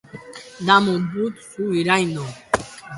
Damu dut zu iraindua.